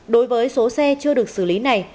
đối với số xe chưa được xử lý này